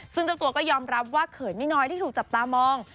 ซึ่งเจ้าตัวก็ยอมรับว่าเขินไม่น้อยที่ถูกจับตามอง